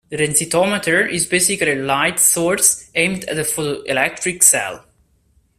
The densitometer is basically a light source aimed at a photoelectric cell.